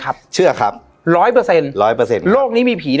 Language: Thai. เชื่อครับร้อยเปอร์เซ็นร้อยเปอร์เซ็นต์โลกนี้มีผี